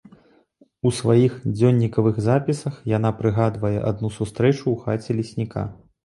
У сваіх дзённікавых запісах яна прыгадвае адну сустрэчу ў хаце лесніка.